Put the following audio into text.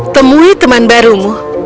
temui teman barumu